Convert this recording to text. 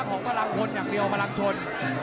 ของกำลังพลอย่างเดียวพลังชน